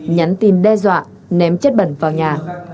nhắn tin đe dọa ném chất bẩn vào nhà